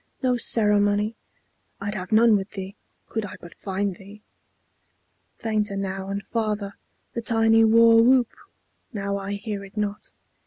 No ceremony! (I'd have none with thee, Could I but find thee.) Fainter now and farther The tiny war whoop; now I hear it not.